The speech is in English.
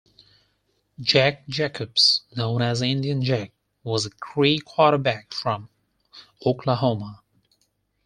Jack Jacobs, known as Indian Jack, was a Cree quarterback from Oklahoma.